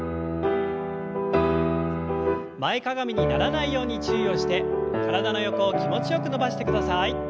前かがみにならないように注意をして体の横を気持ちよく伸ばしてください。